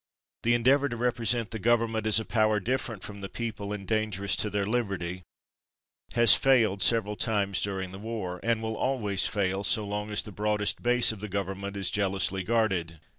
The endeavor to represent the government as a power different from the people and dangerous to their liberty has failed several times during the war, and will always fail so long as the broadest base of the government is jealously guarded.